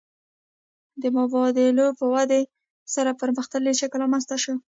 د مبادلاتو په ودې سره پرمختللی شکل رامنځته شو